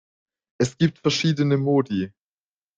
Es gibt verschiedene Modi.